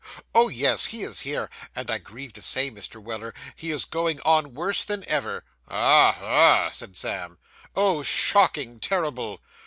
'Oh, yes, he is here, and I grieve to say, Mr. Weller, he is going on worse than ever.' 'Ah, ah!' said Sam. 'Oh, shocking terrible!